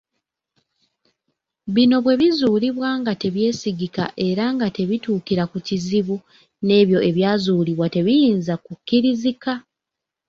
Bino bwe bizuulibwa nga tebyesigika era nga tebituukira ku kizibu n’ebyo ebyazuulibwa tebiyinza kukkirizika.